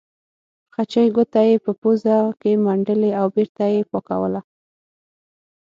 خچۍ ګوته یې په پوزه کې منډلې او بېرته یې پاکوله.